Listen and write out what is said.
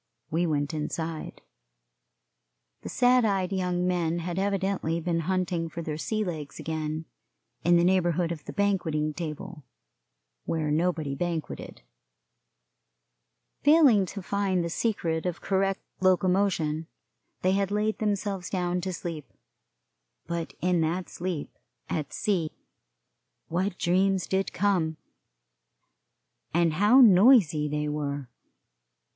We went inside. The sad eyed young men had evidently been hunting for their sea legs again, in the neighborhood of the banqueting table, where nobody banqueted. Failing to find the secret of correct locomotion, they had laid themselves down to sleep, but in that sleep at sea what dreams did come, and how noisy they were!